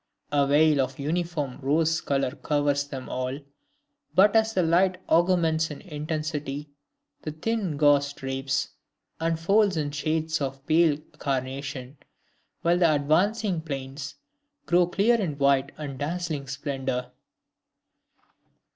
A veil of uniform rose color covers them all, but as the light augments in intensity, the thin gauze drapes and folds in shades of pale carnation, while the advancing plains grow clear in white and dazzling splendor.